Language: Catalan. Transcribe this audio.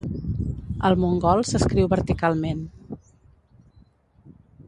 El mongol s'escriu verticalment.